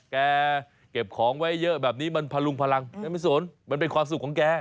แกเก็บของไว้เยอะแบบนี้มันพลุงพลังแกไม่สนมันเป็นความสุขของแก